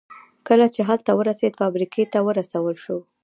کله چې هلته ورسېد فابریکې ته ورسول شو